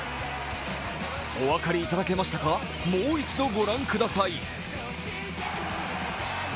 お分かりいただけましたか、もう一度御覧ください。